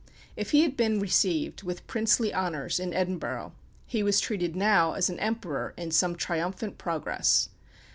If he had been received with princely honours in Edinburgh, he was treated now as an emperor in some triumphant progress.